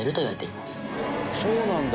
そうなんだ。